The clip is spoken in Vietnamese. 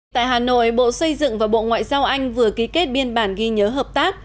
tại hà nội bộ xây dựng và bộ ngoại giao anh vừa ký kết biên bản ghi nhớ hợp tác